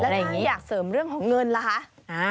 แล้วถ้าอยากเสริมเรื่องของเงินล่ะคะ